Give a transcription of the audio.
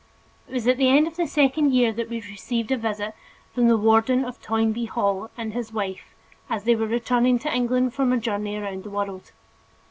It was at the end of the second year that we received a visit from the warden of Toynbee Hall and his wife, as they were returning to England from a journey around the world.